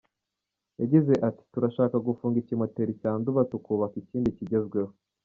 Yagize ati “Turashaka gufunga ikimoteri cya Nduba tukubaka ikindi kigezweho.